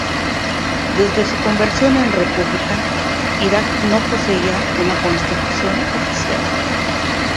Desde su conversión en república, Irak no poseía una constitución oficial.